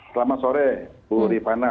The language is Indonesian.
selamat sore bu rifana